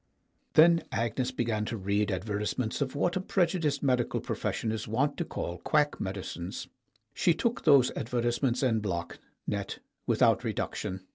Then Agnes began to read advertisements of what ONE STONE 83 a prejudiced medical profession is wont to call quack medicines. She took those advertisements en bloc, net, without reduction.